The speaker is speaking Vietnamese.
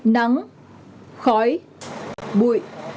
nắng khói bụi